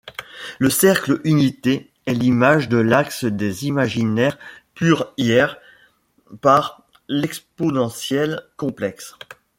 Le cercle unité est l'image de l'axe des imaginaires purs iR par l'exponentielle complexe.